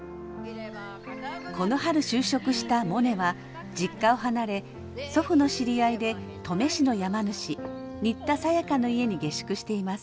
この春就職したモネは実家を離れ祖父の知り合いで登米市の山主新田サヤカの家に下宿しています。